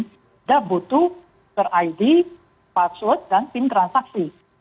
sudah butuh id password dan pin transaksi